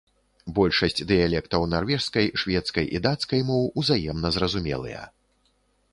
Большасць дыялектаў нарвежскай, шведскай і дацкай моў узаемна зразумелыя.